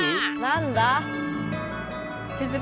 何だ？